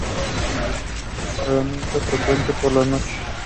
Empeoramiento frecuente por las noches.